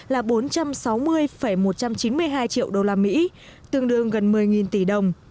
là bốn trăm sáu mươi một trăm chín mươi hai triệu đô la mỹ tương đương gần một mươi tỷ đồng